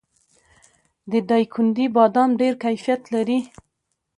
د دایکنډي بادام ډیر کیفیت لري.